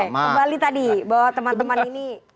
kembali tadi bahwa teman teman ini